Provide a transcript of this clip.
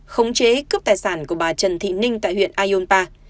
khống chế cướp tài sản của bà trần thị ninh tại huyện ayunpa